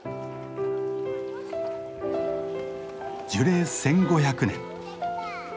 樹齢１，５００年。